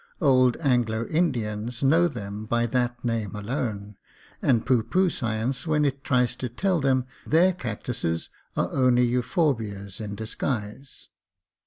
Old Anglo Indians know them by that name alone, and pooh pooh science when it tries to tell them their cactuses are only euphorbias in disguise.